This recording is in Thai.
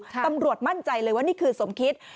ตำรวจมั่นใจเลยว่านี่คือสมคิด